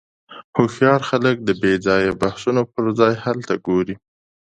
هوښیار خلک د بېځایه بحثونو پر ځای حل ته ګوري.